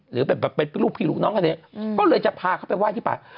หรือลูกพี่รูปน้องอะไรแบบนี้ก็เลยจะพาเขาไปไหว้ติป่า